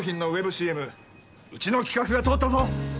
ＣＭうちの企画が通ったぞ。